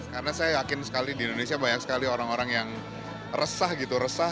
karena saya yakin sekali di indonesia banyak sekali orang orang yang resah gitu